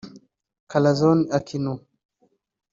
Corazon Aquino